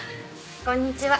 こんにちは。